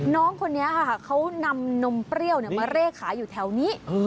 น้องคนนี้ค่ะเขานำนมเปรี้ยวมาเร่ขายอยู่แถวนี้